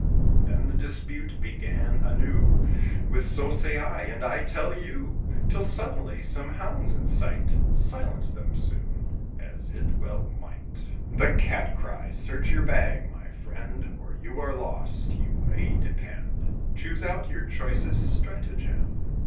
Then the dispute began anew, With "So say I!" and "I tell you!" Till, suddenly, some hounds in sight Silenced them soon, as it well might. The Cat cries, "Search your bag, my friend, Or you are lost, you may depend: Choose out your choicest stratagem!"